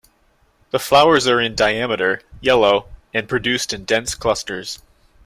The flowers are in diameter, yellow, and produced in dense clusters.